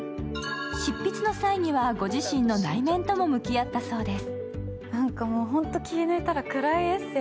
執筆の際にはご自身の内面とも向き合ったそうです。